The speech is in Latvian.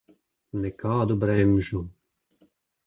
Nekādu bremžu.